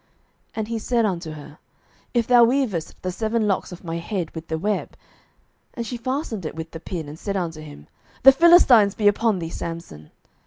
And he said unto her, If thou weavest the seven locks of my head with the web. 07:016:014 And she fastened it with the pin, and said unto him, The Philistines be upon thee, Samson.